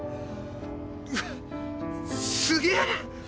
すげえ！